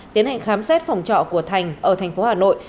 tiến hành khám xét phòng trọ của thành ở thành phố hà nội